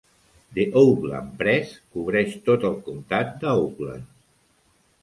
"The Oakland Press" cobreix tot el Comtat de Oakland.